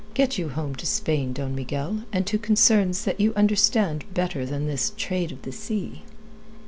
Get you home to Spain, Don Miguel, and to concerns that you understand better than this trade of the sea."